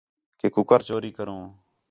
کہ کُکر چوری کروں